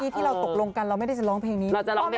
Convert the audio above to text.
ตกลงกันเราไม่ได้ลองเพลงงี้